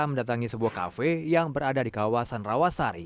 mendatangi sebuah kafe yang berada di kawasan rawasari